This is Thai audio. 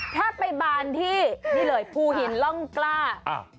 ถ้าไปบานที่นี่เลยภูหินร่องกล้า